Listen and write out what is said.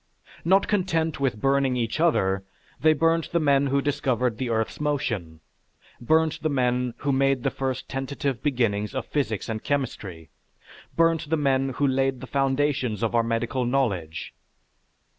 Not content with burning each other, they burnt the men who discovered the earth's motion, burnt the men who made the first tentative beginnings of physics and chemistry, burnt the men who laid the foundations of our medical knowledge....